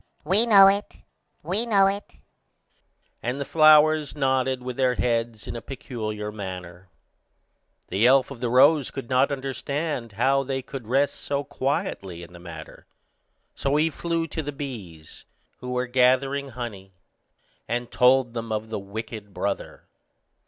We know it, we know it," and the flowers nodded with their heads in a peculiar manner. The elf of the rose could not understand how they could rest so quietly in the matter, so he flew to the bees, who were gathering honey, and told them of the wicked brother.